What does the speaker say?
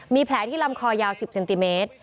มีแผลที่ลำคอยาว๑๐เซนติเมตร